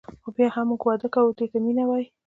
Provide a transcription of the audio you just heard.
خو بیا هم موږ واده کوو دې ته مینه وايي.